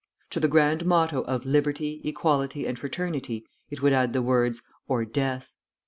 To the grand motto of 'Liberty, Equality, and Fraternity,' it would add the words, 'or death.'